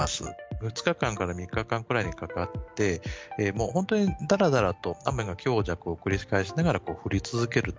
２日間から３日間くらいにかかって、もう本当にだらだらと、雨が強弱を繰り返しながら降り続けると。